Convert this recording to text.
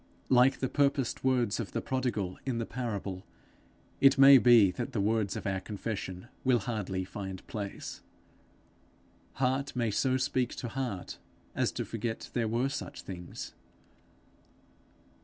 Like the purposed words of the prodigal in the parable, it may be that the words of our confession will hardly find place. Heart may so speak to heart as to forget there were such things.